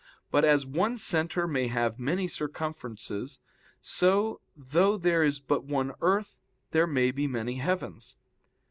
But as one center may have many circumferences, so, though there is but one earth, there may be many heavens.